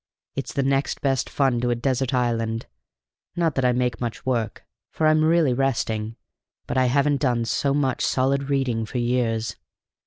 It's the next best fun to a desert island. Not that I make much work, for I'm really resting, but I haven't done so much solid reading for years.